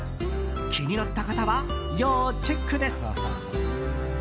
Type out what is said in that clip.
気になった方は要チェックです。